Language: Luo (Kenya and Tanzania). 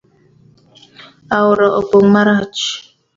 Aora opong marach